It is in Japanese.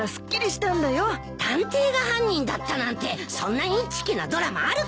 探偵が犯人だったなんてそんなインチキなドラマあるか！